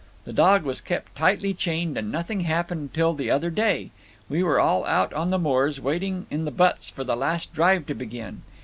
The dog was kept tightly chained, and nothing happened till the other day. We were all out on the moors, waiting in the butts for the last drive to begin.